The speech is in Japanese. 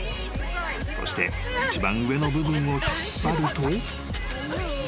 ［そして一番上の部分を引っ張ると］